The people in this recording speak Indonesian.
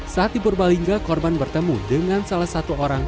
saat di purbalingga korban bertemu dengan salah satu orang